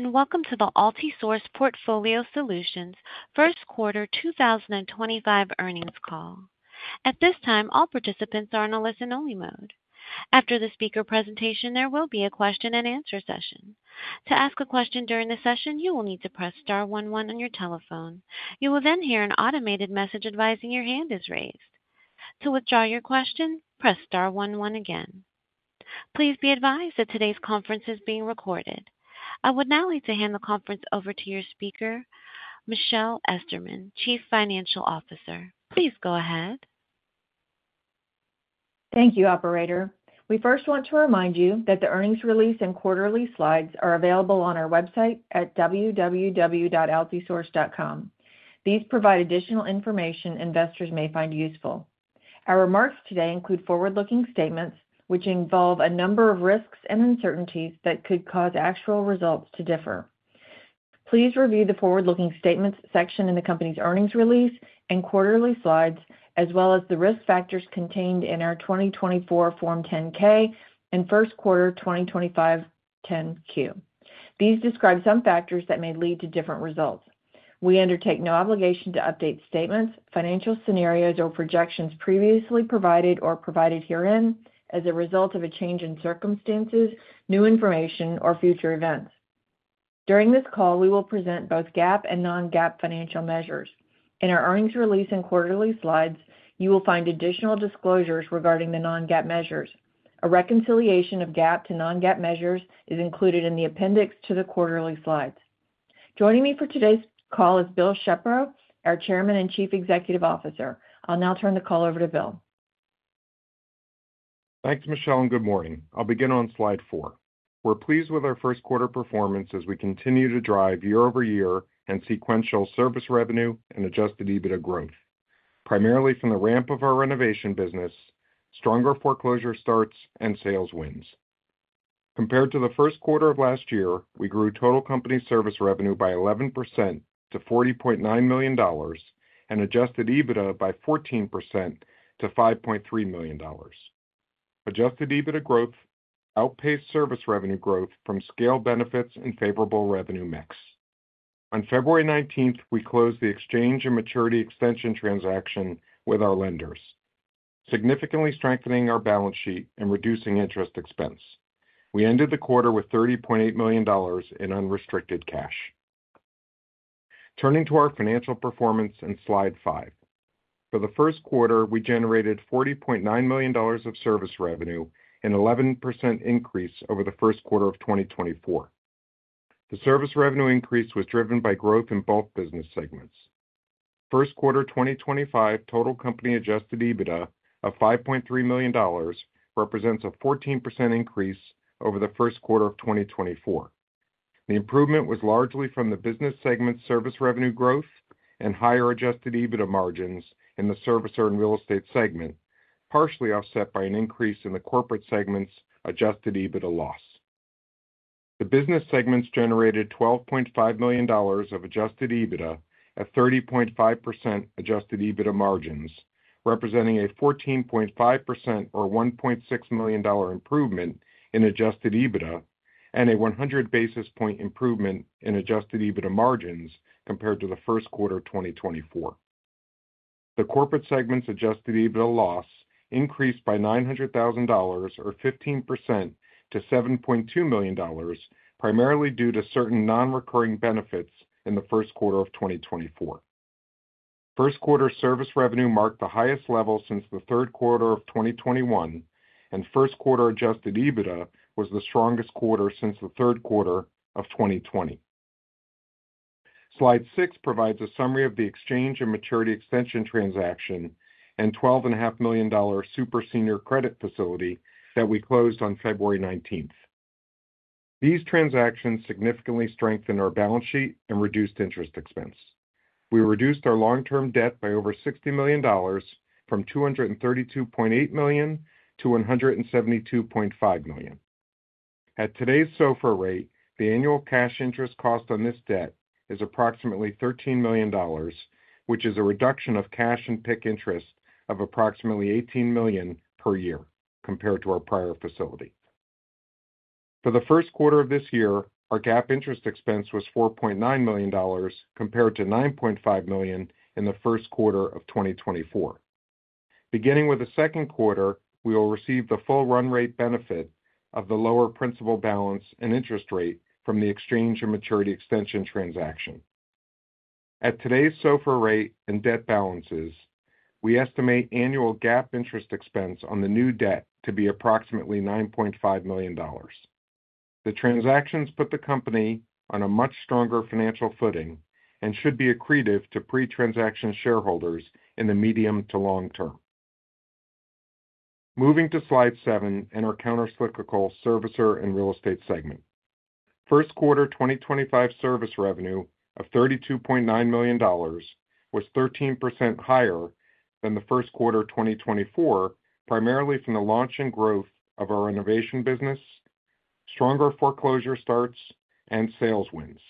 Welcome to the Altisource Portfolio Solutions First Quarter 2025 Earnings Call. At this time, all participants are on a listen-only mode. After the speaker presentation, there will be a question-and-answer session. To ask a question during the session, you will need to press star one one on your telephone. You will then hear an automated message advising your hand is raised. To withdraw your question, press star one one again. Please be advised that today's conference is being recorded. I would now like to hand the conference over to your speaker, Michelle Esterman, Chief Financial Officer. Please go ahead. Thank you, Operator. We first want to remind you that the earnings release and quarterly slides are available on our website at www.altisource.com. These provide additional information investors may find useful. Our remarks today include forward-looking statements, which involve a number of risks and uncertainties that could cause actual results to differ. Please review the forward-looking statements section in the company's earnings release and quarterly slides, as well as the risk factors contained in our 2024 Form 10-K and First Quarter 2025 10-Q. These describe some factors that may lead to different results. We undertake no obligation to update statements, financial scenarios, or projections previously provided or provided herein as a result of a change in circumstances, new information, or future events. During this call, we will present both GAAP and non-GAAP financial measures. In our earnings release and quarterly slides, you will find additional disclosures regarding the non-GAAP measures. A reconciliation of GAAP to non-GAAP measures is included in the appendix to the quarterly slides. Joining me for today's call is Bill Shepro, our Chairman and Chief Executive Officer. I'll now turn the call over to Bill. Thanks, Michelle, and good morning. I'll begin on slide four. We're pleased with our first quarter performance as we continue to drive year-over-year and sequential service revenue and adjusted EBITDA growth, primarily from the ramp of our renovation business, stronger foreclosure starts, and sales wins. Compared to the first quarter of last year, we grew total company service revenue by 11% to $40.9 million and adjusted EBITDA by 14% to $5.3 million. Adjusted EBITDA growth outpaced service revenue growth from scale benefits and favorable revenue mix. On February 19th, we closed the exchange and maturity extension transaction with our lenders, significantly strengthening our balance sheet and reducing interest expense. We ended the quarter with $30.8 million in unrestricted cash. Turning to our financial performance and slide five, for the first quarter, we generated $40.9 million of service revenue, an 11% increase over the first quarter of 2024. The service revenue increase was driven by growth in both business segments. First quarter 2025 total company adjusted EBITDA of $5.3 million represents a 14% increase over the first quarter of 2024. The improvement was largely from the business segment service revenue growth and higher adjusted EBITDA margins in the service and real estate segment, partially offset by an increase in the corporate segment's adjusted EBITDA loss. The business segments generated $12.5 million of adjusted EBITDA at 30.5% adjusted EBITDA margins, representing a 14.5% or $1.6 million improvement in adjusted EBITDA and a 100 basis point improvement in adjusted EBITDA margins compared to the first quarter 2024. The corporate segment's adjusted EBITDA loss increased by $900,000 or 15% to $7.2 million, primarily due to certain non-recurring benefits in the first quarter of 2024. First quarter service revenue marked the highest level since the third quarter of 2021, and first quarter adjusted EBITDA was the strongest quarter since the third quarter of 2020. Slide six provides a summary of the exchange and maturity extension transaction and $12.5 million super senior credit facility that we closed on February 19th. These transactions significantly strengthened our balance sheet and reduced interest expense. We reduced our long-term debt by over $60 million from $232.8 million to $172.5 million. At today's SOFR rate, the annual cash interest cost on this debt is approximately $13 million, which is a reduction of cash and PIK interest of approximately $18 million per year compared to our prior facility. For the first quarter of this year, our GAAP interest expense was $4.9 million compared to $9.5 million in the first quarter of 2024. Beginning with the second quarter, we will receive the full run rate benefit of the lower principal balance and interest rate from the exchange and maturity extension transaction. At today's SOFR rate and debt balances, we estimate annual GAAP interest expense on the new debt to be approximately $9.5 million. The transactions put the company on a much stronger financial footing and should be accretive to pre-transaction shareholders in the medium to long term. Moving to slide seven in our countercyclical service and real estate segment, first quarter 2025 service revenue of $32.9 million was 13% higher than the first quarter 2024, primarily from the launch and growth of our renovation business, stronger foreclosure starts, and sales wins.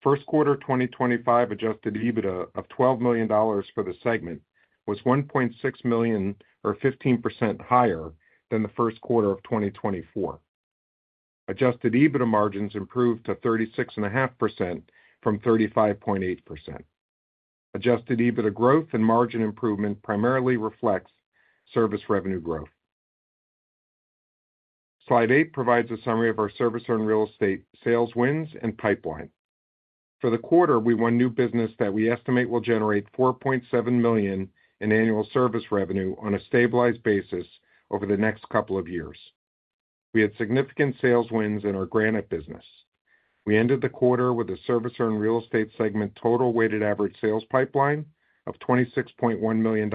First quarter 2025 adjusted EBITDA of $12 million for the segment was $1.6 million or 15% higher than the first quarter of 2024. Adjusted EBITDA margins improved to 36.5% from 35.8%. Adjusted EBITDA growth and margin improvement primarily reflects service revenue growth. Slide eight provides a summary of our service and real estate sales wins and pipeline. For the quarter, we won new business that we estimate will generate $4.7 million in annual service revenue on a stabilized basis over the next couple of years. We had significant sales wins in our Granite business. We ended the quarter with the service and real estate segment total weighted average sales pipeline of $26.1 million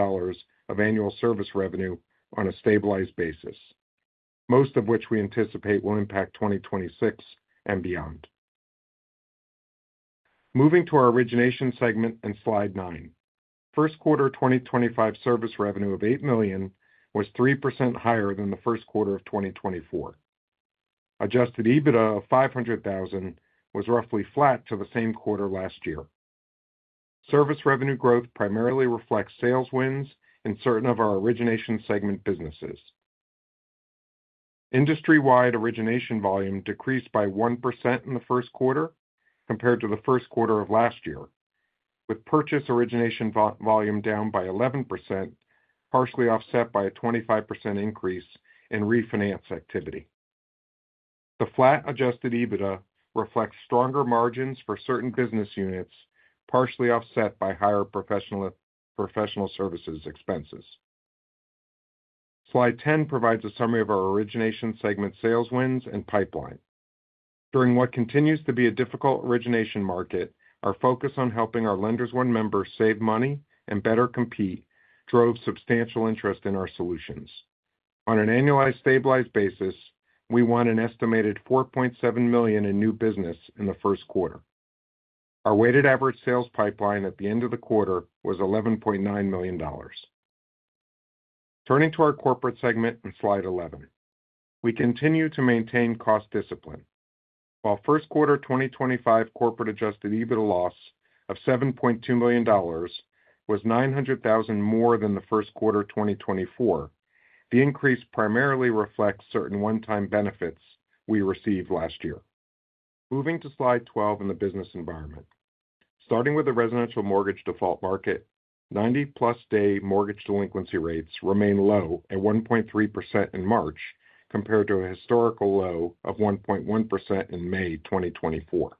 of annual service revenue on a stabilized basis, most of which we anticipate will impact 2026 and beyond. Moving to our origination segment and slide nine, first quarter 2025 service revenue of $8 million was 3% higher than the first quarter of 2024. Adjusted EBITDA of $500,000 was roughly flat to the same quarter last year. Service revenue growth primarily reflects sales wins in certain of our origination segment businesses. Industry-wide origination volume decreased by 1% in the first quarter compared to the first quarter of last year, with purchase origination volume down by 11%, partially offset by a 25% increase in refinance activity. The flat adjusted EBITDA reflects stronger margins for certain business units, partially offset by higher professional services expenses. Slide 10 provides a summary of our origination segment sales wins and pipeline. During what continues to be a difficult origination market, our focus on helping our Lenders One members save money and better compete drove substantial interest in our solutions. On an annualized stabilized basis, we won an estimated $4.7 million in new business in the first quarter. Our weighted average sales pipeline at the end of the quarter was $11.9 million. Turning to our corporate segment and slide 11, we continue to maintain cost discipline. While first quarter 2025 corporate adjusted EBITDA loss of $7.2 million was $900,000 more than the first quarter 2024, the increase primarily reflects certain one-time benefits we received last year. Moving to slide 12 in the business environment. Starting with the residential mortgage default market, 90-plus day mortgage delinquency rates remain low at 1.3% in March compared to a historical low of 1.1% in May 2024.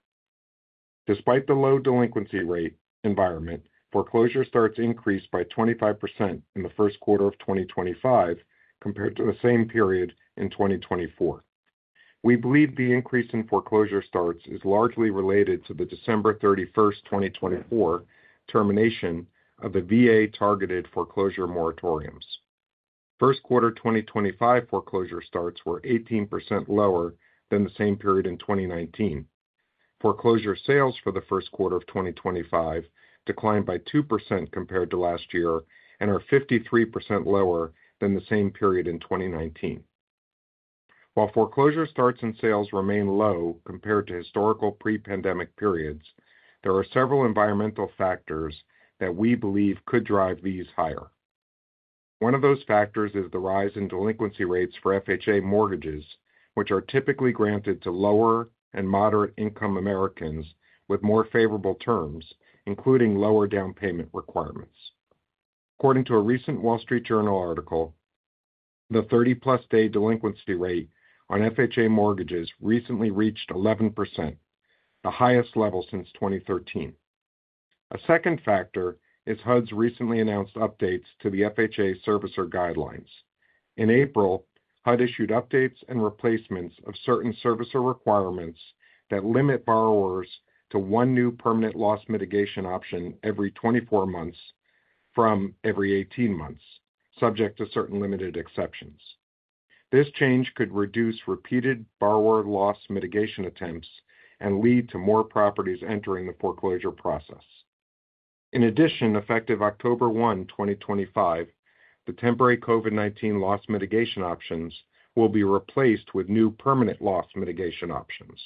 Despite the low delinquency rate environment, foreclosure starts increased by 25% in the first quarter of 2025 compared to the same period in 2024. We believe the increase in foreclosure starts is largely related to the December 31, 2024 termination of the VA targeted foreclosure moratoriums. First quarter 2025 foreclosure starts were 18% lower than the same period in 2019. Foreclosure sales for the first quarter of 2025 declined by 2% compared to last year and are 53% lower than the same period in 2019. While foreclosure starts and sales remain low compared to historical pre-pandemic periods, there are several environmental factors that we believe could drive these higher. One of those factors is the rise in delinquency rates for FHA mortgages, which are typically granted to lower and moderate-income Americans with more favorable terms, including lower down payment requirements. According to a recent Wall Street Journal article, the 30-plus day delinquency rate on FHA mortgages recently reached 11%, the highest level since 2013. A second factor is HUD's recently announced updates to the FHA servicer guidelines. In April, HUD issued updates and replacements of certain servicer requirements that limit borrowers to one new permanent loss mitigation option every 24 months from every 18 months, subject to certain limited exceptions. This change could reduce repeated borrower loss mitigation attempts and lead to more properties entering the foreclosure process. In addition, effective October 1, 2025, the temporary COVID-19 loss mitigation options will be replaced with new permanent loss mitigation options.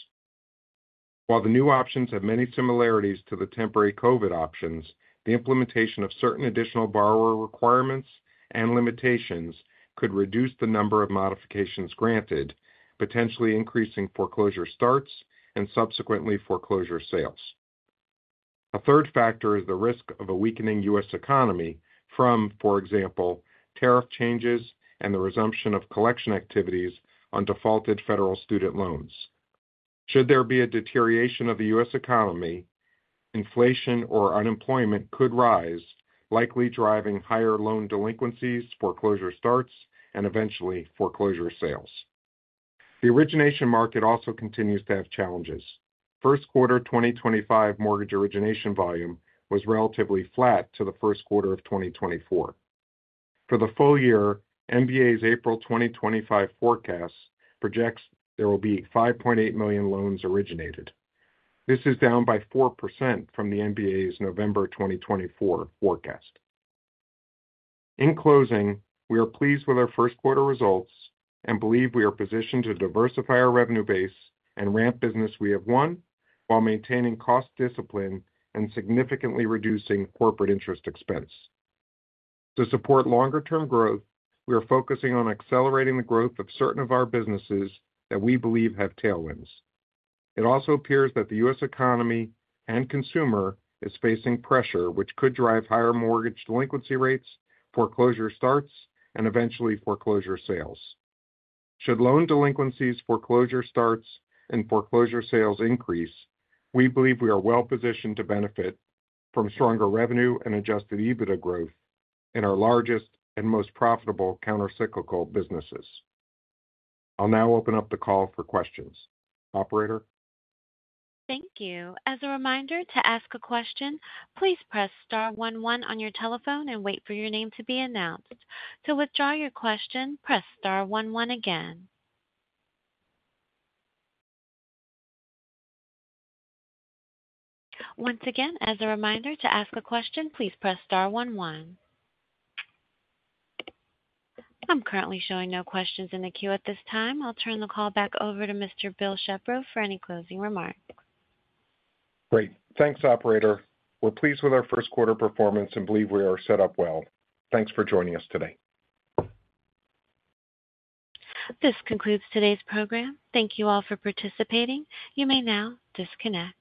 While the new options have many similarities to the temporary COVID options, the implementation of certain additional borrower requirements and limitations could reduce the number of modifications granted, potentially increasing foreclosure starts and subsequently foreclosure sales. A third factor is the risk of a weakening U.S. economy from, for example, tariff changes and the resumption of collection activities on defaulted federal student loans. Should there be a deterioration of the U.S. economy, inflation or unemployment could rise, likely driving higher loan delinquencies, foreclosure starts, and eventually foreclosure sales. The origination market also continues to have challenges. First quarter 2025 mortgage origination volume was relatively flat to the first quarter of 2024. For the full year, MBA's April 2025 forecast projects there will be 5.8 million loans originated. This is down by 4% from the MBA's November 2024 forecast. In closing, we are pleased with our first quarter results and believe we are positioned to diversify our revenue base and ramp business we have won while maintaining cost discipline and significantly reducing corporate interest expense. To support longer-term growth, we are focusing on accelerating the growth of certain of our businesses that we believe have tailwinds. It also appears that the U.S. economy and consumer is facing pressure, which could drive higher mortgage delinquency rates, foreclosure starts, and eventually foreclosure sales. Should loan delinquencies, foreclosure starts, and foreclosure sales increase, we believe we are well positioned to benefit from stronger revenue and adjusted EBITDA growth in our largest and most profitable countercyclical businesses. I'll now open up the call for questions. Operator. Thank you. As a reminder to ask a question, please press star one one on your telephone and wait for your name to be announced. To withdraw your question, press star one one again. Once again, as a reminder to ask a question, please press star one one. I'm currently showing no questions in the queue at this time. I'll turn the call back over to Mr. Bill Shepro for any closing remarks. Great. Thanks, Operator. We're pleased with our first quarter performance and believe we are set up well. Thanks for joining us today. This concludes today's program. Thank you all for participating. You may now disconnect.